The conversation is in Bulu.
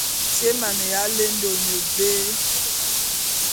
Tyé émaneya ya lende, one vé ?